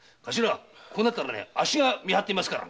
こうなったらあっしが見張ってみますから。